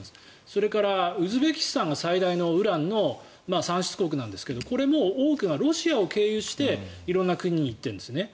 それから、ウズベキスタンが最大のウランの産出国なんですがこれも多くがロシアを経由して色んな国に行っているんです。